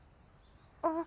あ。